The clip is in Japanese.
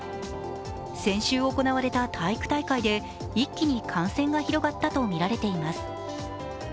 先週行われた体育大会で一気に感染が広がったとみられています。